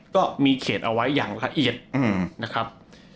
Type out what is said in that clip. ก็มีเขตเอาไว้อย่างละเอียดนะครับ